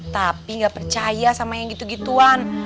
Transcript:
tapi nggak percaya sama yang gitu gituan